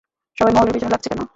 সবাই মহলের পিছনে লাগছে কেন?